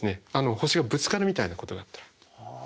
星がぶつかるみたいなことがあったら。